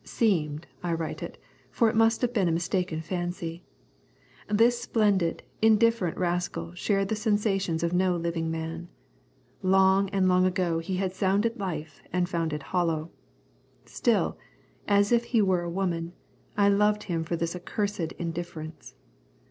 Seemed, I write it, for it must have been a mistaken fancy. This splendid, indifferent rascal shared the sensations of no living man. Long and long ago he had sounded life and found it hollow. Still, as if he were a woman, I loved him for this accursed indifference.